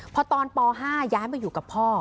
พอตอนป๕ย้ายมาอยู่กับพ่อ